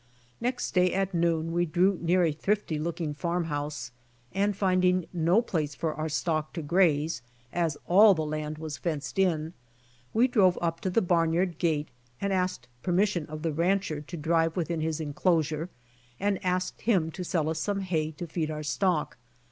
Next day at noon we drew near a thrifty looking farm house, and finding no place for our stock to graze, as all the land was fenced in, we drove upito the barnyard gate and sought permission of the rancher to drive within his enclosure, and asked. him to sell us some hay to feed our stock.